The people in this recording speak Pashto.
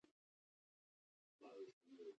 د هېوادونو نومونه يې واخلئ.